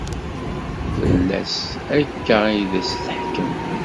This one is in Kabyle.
Fell-as akka i d as-teḥkem.